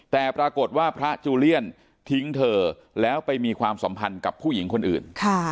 แต่ปรากฏว่าพระจูเลียนทิ้งเธอแล้วไปมีความสัมพันธ์กับผู้หญิงคนอื่น